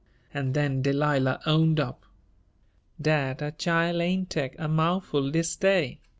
And then Delilah owned up: "Dat ar chile ain' tech a mou'ful dis day.